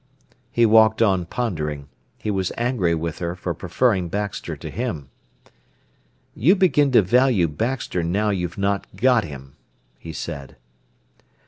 He walked on pondering. He was angry with her for preferring Baxter to him. "You begin to value Baxter now you've not got him," he said.